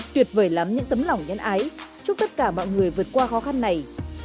tuyệt vời lắm những tấm lòng nhân ái chúc tất cả mọi người vượt qua khó khăn này